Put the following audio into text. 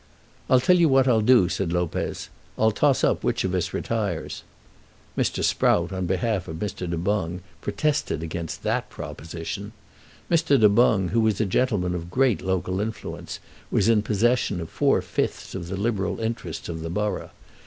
"I'll tell you what I'll do," said Lopez; "I'll toss up which of us retires." Mr. Sprout, on behalf of Mr. Du Boung, protested against that proposition. Mr. Du Boung, who was a gentleman of great local influence, was in possession of four fifths of the Liberal interests of the borough.